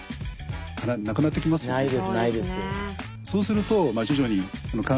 ないですないです。